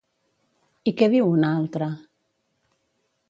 I què diu una altra?